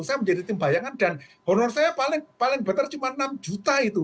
saya menjadi tim bayangan dan honor saya paling beter cuma enam juta itu